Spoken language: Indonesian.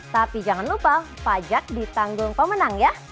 tapi jangan lupa pajak ditanggung pemenang ya